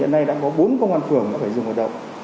hiện nay đã có bốn công an phường phải dừng hoạt động